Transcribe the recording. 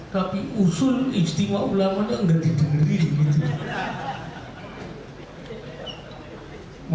tapi usul istimewa ulamanya tidak diterima